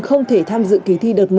không thể tham dự kỳ thi đợt một